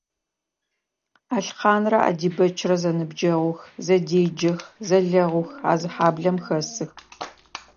Алхъанрэ Адибэчрэ зэныбджэгъух, зэдеджэх, зэлэгъух, а зы хьаблэм хэсых.